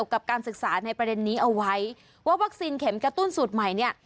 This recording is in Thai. ว่าวัคซีนเข็มกระตุ้นสูตรใหม่นี้